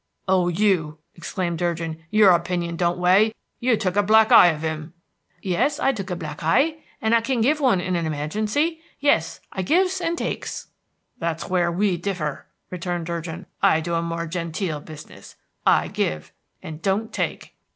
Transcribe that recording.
"Oh, you!" exclaimed Durgin. "Your opinion don't weigh. You took a black eye of him." "Yes, I took a black heye, and I can give one, in a hemergency. Yes, I gives and takes." "That's where we differ," returned Durgin. "I do a more genteel business; I give, and don't take."